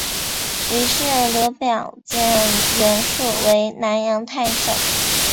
于是刘表荐袁术为南阳太守。